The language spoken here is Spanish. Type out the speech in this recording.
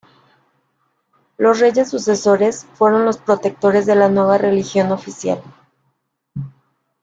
Los reyes sucesores fueron los protectores de la nueva religión oficial.